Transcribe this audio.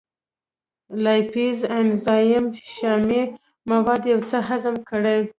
لایپیز انزایم شحمي مواد یو څه هضم کړي.